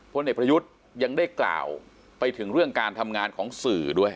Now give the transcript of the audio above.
พลเอกประยุทธ์ยังได้กล่าวไปถึงเรื่องการทำงานของสื่อด้วย